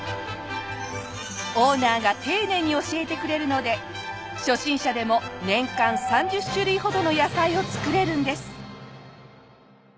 オーナーが丁寧に教えてくれるので初心者でも年間３０種類ほどの野菜を作れるんです。